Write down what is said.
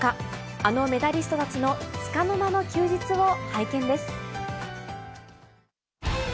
あのメダリストたちのつかの間の休日を拝見です。